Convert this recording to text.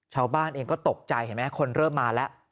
ชาวบ้านเองก็ตกใจเห็นไหมคนเริ่มมาแล้ว